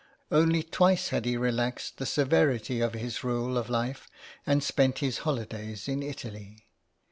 Only twice had he relaxed the severity of his rule of life and spent his holidays in Italy.